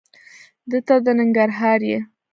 دته د ننګرهار یې؟